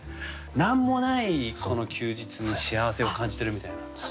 何もないこの休日に幸せを感じてるみたいな。